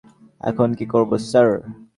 এখন কি করব, স্যার?